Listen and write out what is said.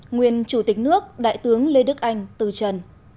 nguyên chủ tịch nước đại tướng lê đức anh từ trần